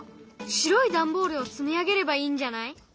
白い段ボールを積み上げればいいんじゃない？